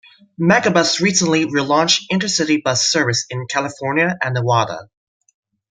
Megabus recently relaunched intercity bus service in California and Nevada.